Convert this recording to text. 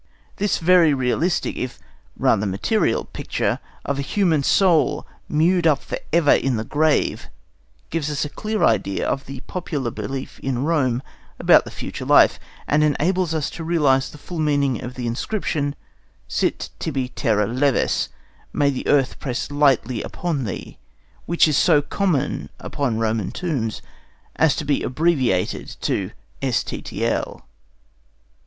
This very realistic, if rather material, picture of a human soul mewed up for ever in the grave gives us a clear idea of the popular belief in Rome about the future life, and enables us to realize the full meaning of the inscription, "Sit tibi terra levis" (May the earth press lightly upon thee), which is so common upon Roman tombs as often to be abbreviated to "S.T.T.L."